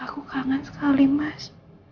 aku kangen sekali mas